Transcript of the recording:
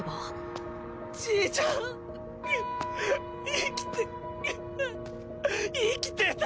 生きて生きてた。